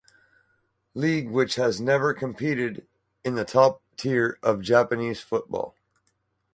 League which has never competed in the top tier of Japanese football.